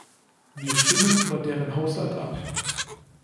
Wir stimmen über deren Haushalt ab.